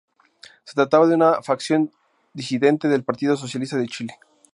Se trataba de una facción disidente del Partido Socialista de Chile.